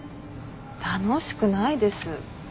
楽しくないです。